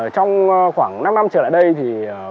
trong khoảng năm năm trở lại đây thì